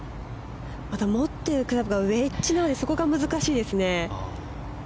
持ってるクラブがウェッジなのでそこが難しいですね。